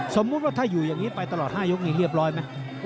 สมมุติว่าถ้าอยู่อย่างนี้ไปตลอด๕ยกนี้เรียบร้อยไหม